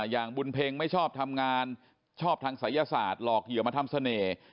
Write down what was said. อย่างบุญเพ็งไม่ชอบทำงานชอบทางศัยศาสตร์หลอกเหยื่อมาทำเสน่ห์